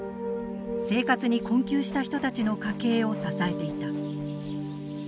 生活に困窮した人たちの家計を支えていた。